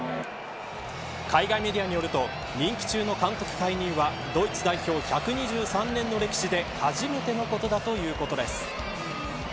海外メディアによると任期中の監督解任はドイツ代表１２３年の歴史で初めてのことだということです。